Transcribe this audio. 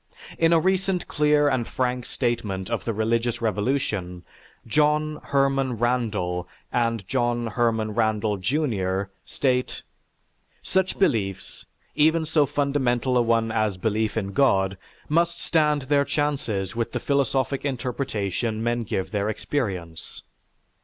In a recent clear and frank statement of the religious revolution, John Herman Randall and John Herman Randall, Jr., state: "Such beliefs, even so fundamental a one as belief in God, must stand their chances with the philosophic interpretation men give their experience....